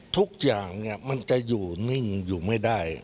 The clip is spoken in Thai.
ทุกอย่างเนี่ยมันจะอยู่นิ่งอยู่ไม่ได้